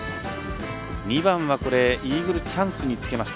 ２番は、イーグルチャンスにつけました